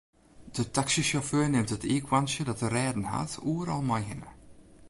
De taksysjauffeur nimt it iikhoarntsje dat er rêden hat oeral mei hinne.